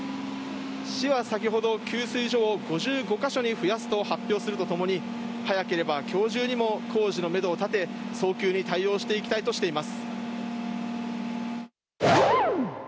市は先ほど、給水所を５５か所に増やすと発表するとともに、早ければきょう中にも工事のメドを立て、早急に対応していきたいとしています。